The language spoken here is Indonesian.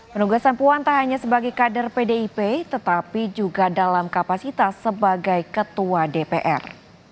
penugasan puan tak hanya sebagai kader pdip tetapi juga dalam kapasitas sebagai ketua dpr